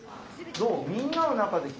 どう？